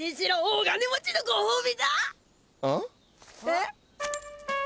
えっ？